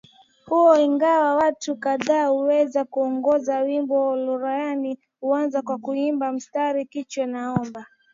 huo ingawa watu kadhaa huweza kuongoza wimbo Olaranyani huanza kwa kuimba mstari kichwa namba